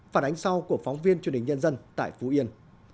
phản ánh sau của phóng viên truyền hình nhân dân tại phú yên